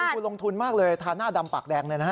คุณลงทุนมากเลยทาหน้าดำปากแดงเลยนะฮะ